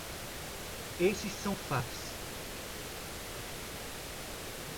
Esses são fatos.